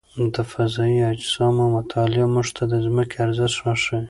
د فضايي اجسامو مطالعه موږ ته د ځمکې ارزښت راښيي.